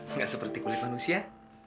nggak seperti kulit manusia